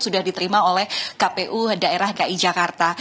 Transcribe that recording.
sudah diterima oleh kpu daerah ki jakarta